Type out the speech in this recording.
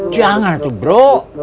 jangan tuh bro